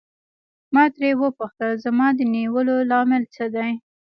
ما ترې وپوښتل زما د نیولو لامل څه شی دی.